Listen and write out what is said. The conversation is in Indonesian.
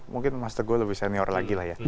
mungkin mas teguh lebih senior lagi lah ya